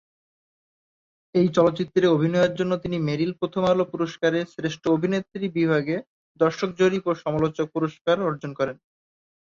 এই চলচ্চিত্রে অভিনয়ের জন্য তিনি মেরিল প্রথম আলো পুরস্কার-এ শ্রেষ্ঠ অভিনেত্রী বিভাগে দর্শক জরিপ ও সমালোচক পুরস্কার অর্জন করেন।